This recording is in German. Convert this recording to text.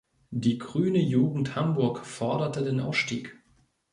Die Grüne Jugend Hamburg forderte den Ausstieg.